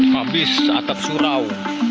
habis atap surau